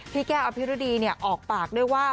พี่แก้วอภิรดีออกปากด้วยว่า